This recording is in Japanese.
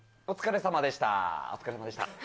お疲れさまでした。